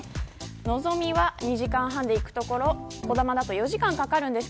のぞみは２時間半で行くところこだまだと４時間かかります。